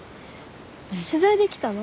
取材で来たの？